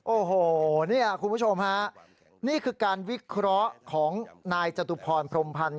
โอ้โหเนี่ยคุณผู้ชมฮะนี่คือการวิเคราะห์ของนายจตุพรพรมพันธ์